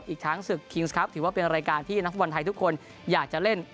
อีกทั้งศึกคิงส์ครับถือว่าเป็นรายการที่นักฟุตบอลไทยทุกคนอยากจะเล่น